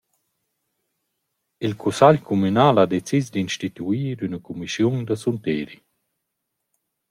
Il cussagl cumünal ha decis d’instituir üna cumischiun da sunteri.